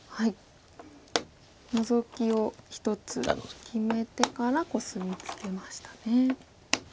ノゾキを１つ決めてからコスミツケましたね。